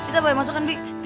kita bawa masuk kan bi